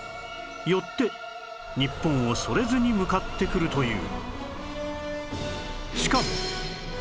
よって日本をそれずに向かってくるという